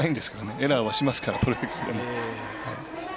エラーはしますから、プロ野球。